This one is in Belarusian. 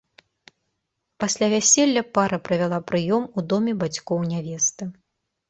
Пасля вяселля пара правяла прыём у доме бацькоў нявесты.